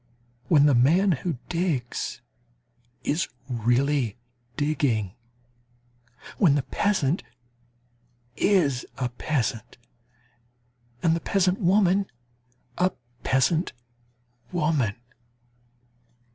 When the man who digs is really digging, when the peasant is a peasant, and the peasant woman a peasant woman.